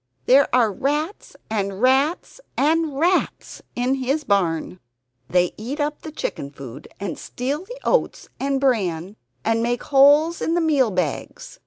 There are rats, and rats, and rats in his barn! They eat up the chicken food, and steal the oats and bran, and make holes in the meal bags.